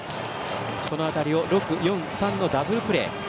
この当たりを６４３のダブルプレー。